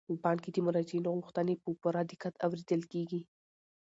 په بانک کې د مراجعینو غوښتنې په پوره دقت اوریدل کیږي.